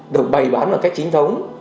được bày bán một cách chính thống